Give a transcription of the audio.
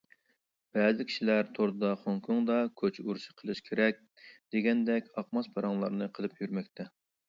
بەزى كىشىلەر توردا خوڭكوڭدا كوچا ئۇرۇشى قىلىش كېرەك، دېگەندەك ئاقماس پاراڭلارنى قىلىپ يۈرمەكتە.